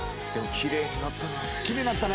「きれいになったね」